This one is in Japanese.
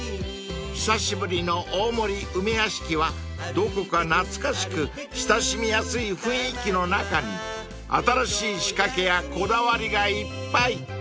［久しぶりの大森梅屋敷はどこか懐かしく親しみやすい雰囲気の中に新しい仕掛けやこだわりがいっぱい］